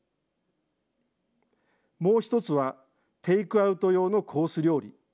もう一つはテイクアウト用のコース料理。